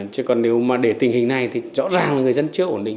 chứ còn nếu mà để tình hình này thì rõ ràng người dân chưa ổn định